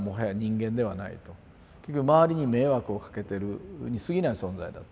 結局周りに迷惑をかけてるにすぎない存在だ。